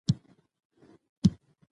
خپل کلتور وساتئ.